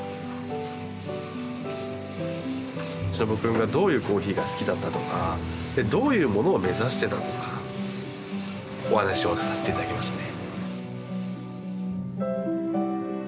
忍くんがどういうコーヒーが好きだったとかどういうものを目指してたとかお話をさせて頂きましたね。